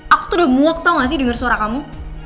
aku tuh udah muak tau gak sih dengar suara kamu